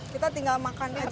kita tinggal makan aja